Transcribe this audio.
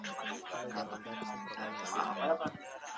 استاد وویل چي د پلان جوړوني پرته پرمختګ ناسونی دی.